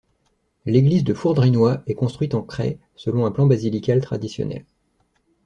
L'église de Fourdrinoy est construite en craie selon un plan basilical traditionnel.